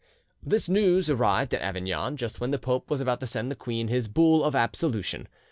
This news arrived at Avignon just when the pope was about to send the queen his bull of absolution.